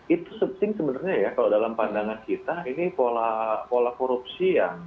itu subsing sebenarnya ya kalau dalam pandangan kita ini pola korupsi yang